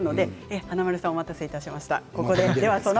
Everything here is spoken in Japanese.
華丸さん、お待たせしました。